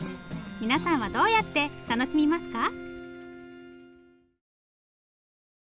皆さんはどうやって楽しみますか？